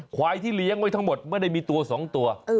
ควายที่เลี้ยงไว้ทั้งหมดไม่ได้มีตัว๒ตัว